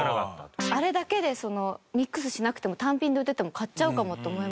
あれだけでミックスしなくても単品で売ってても買っちゃうかもって思いました。